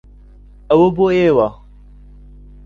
ئەوە بۆ ئێوە.